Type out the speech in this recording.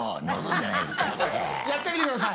やってみてください。